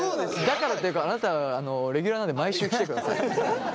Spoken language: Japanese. だからっていうかあなたレギュラーなんで毎週来てください。